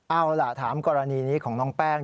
เอาล่ะถามกรณีนี้ของน้องแป้ง